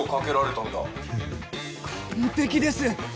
完璧です！